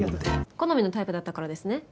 好みのタイプだったからですね。